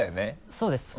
そうです。